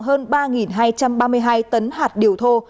hơn ba hai trăm ba mươi hai tấn hạt điều thô